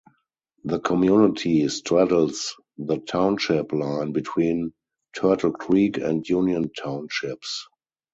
The community straddles the township line between Turtlecreek and Union Townships.